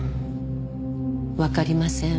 わかりません。